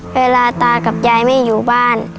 เวลาตากับยายไม่อยู่บ้าน